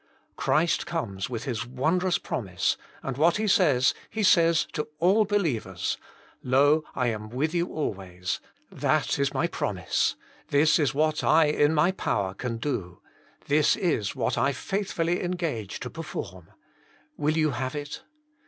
__■■■_■ Christ comes with His wondrous promise, and what He says, He says to all believers: *<Lo, I am with you always; that is My promise; this is what I in My power can do; this is what I faithfully engage to perform ; will you have it